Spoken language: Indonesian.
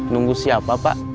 nunggu siapa pak